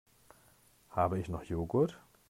Habe ich noch Joghurt?